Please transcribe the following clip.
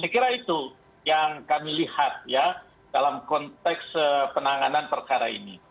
saya kira itu yang kami lihat ya dalam konteks penanganan perkara ini